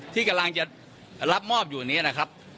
ที่กำลังจะรับมอบอยู่นี้นะครับ